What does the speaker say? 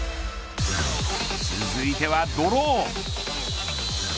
続いてはドローン。